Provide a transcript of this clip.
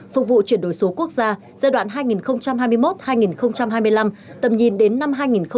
phục vụ chuyển đổi số quốc gia giai đoạn hai nghìn hai mươi một hai nghìn hai mươi năm tầm nhìn đến năm hai nghìn ba mươi